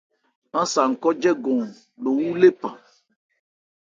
Aán sa n khɔ́ jɛ́gɔn nò wú lephan.